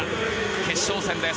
決勝戦です。